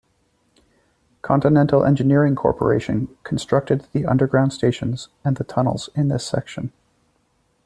Continental Engineering Corporation constructed the underground stations and the tunnels in this section.